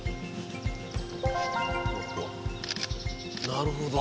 なるほど。